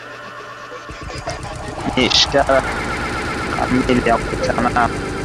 Ni ishara kamili ya kutawaliwa